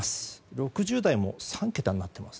６０代も３桁になっています